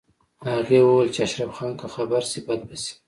هغې وویل چې اشرف خان که خبر شي بد به شي